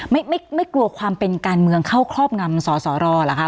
ไม่ไม่กลัวความเป็นการเมืองเข้าครอบงำสสรเหรอคะ